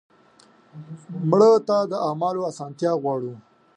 مړه ته د اعمالو اسانتیا غواړو